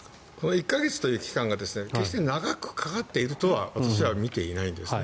１か月という期間が決して長くかかっているとは私は見ていないんですね。